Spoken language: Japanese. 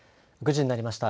９時になりました。